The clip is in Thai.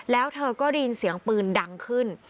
แล้วเธอก็ได้ยินเสียงปืนดังขึ้น